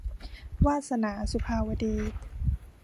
วาสนา - สุภาวดี